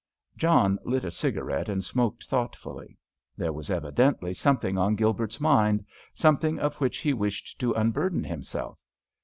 John lit a cigarette and smoked thoughtfully. There was evidently something on Gilbert's mind, something of which he wished to unburden himself.